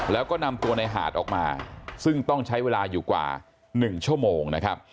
แล้วก็นำตัวในหาดออกมาซึ่งต้องใช้เวลาอยู่กว่า๑ชั่วโมงนะครับ